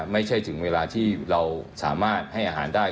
ไม่ใช่ถึงเวลาที่เราสามารถให้อาหารได้